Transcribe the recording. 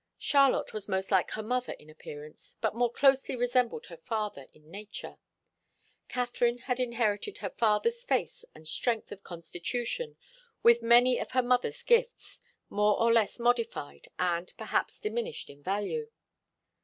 Charlotte was most like her mother in appearance, but more closely resembled her father in nature. Katharine had inherited her father's face and strength of constitution with many of her mother's gifts, more or less modified and, perhaps, diminished in value.